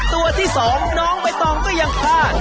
ตัวที่๒น้องใบตองก็ยังพลาด